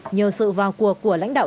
nhờ sự vào cuộc của lãnh đạo